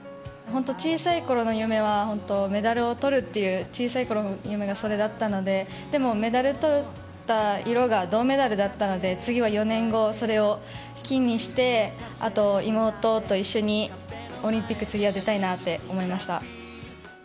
本当、小さいころの夢は、メダルをとるっていう、小さいころの夢がそれだったので、でもメダルとった色が銅メダルだったので、次は４年後、それを金にして、あと、妹と一緒に、オリンピック、次は出たいなって思いました。